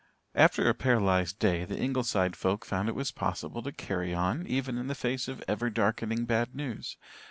After a paralysed day the Ingleside folk found it was possible to "carry on" even in the face of ever darkening bad news.